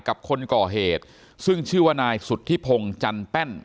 กับคนก่อเหตุซึ่งชื่อว่านายสุธิพงศ์จันแป้น